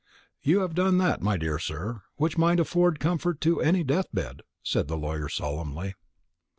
"You have done that, my dear sir, which might afford comfort to any death bed," said the lawyer solemnly.